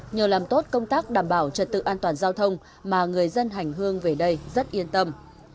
nhờ làm tốt công tác đảm bảo trật tự an toàn giao thông mà người dân hành hương về đây rất yên tâm